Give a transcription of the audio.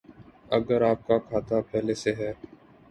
اگر آپ کا کھاتہ پہلے سے ہے